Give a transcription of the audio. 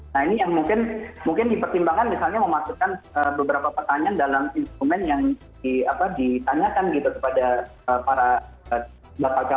nah ini yang mungkin dipertimbangkan misalnya memasukkan beberapa pertanyaan dalam instrumen yang ditanyakan gitu kepada para bapak calon cpns ini gitu ya